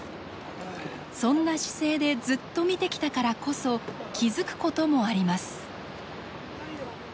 そんな姿勢でずっと見てきたからこそ気付くこともあります。